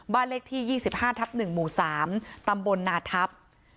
เลขที่๒๕ทับ๑หมู่๓ตำบลนาทัพ